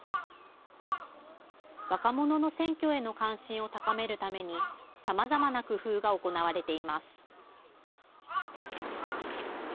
若者の選挙への関心を高めるために、さまざまな工夫が行われています。